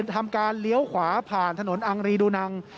ทำการเลี้ยวขวาผ่านถนนอังรีดูนัง